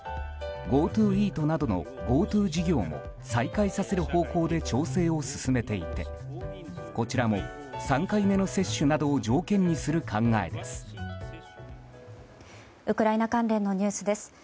ＧｏＴｏイートなどのＧｏＴｏ事業も再開させる方向で調整を進めていて、こちらも３回目の接種などを条件にする考えです。